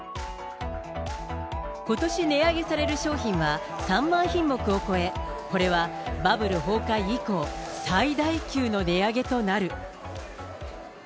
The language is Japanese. ことし値上げされる商品は３万品目を超え、これはバブル崩壊以降、最大級の値上げとなる。